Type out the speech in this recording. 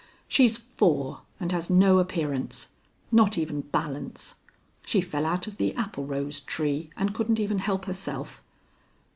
"She's four, and has no appearance. Not even balance. She fell out of the applerose tree, and couldn't even help herself."